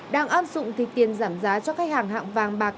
đang áp dụng thì tiền giảm giá cho khách hàng hạng vàng bạc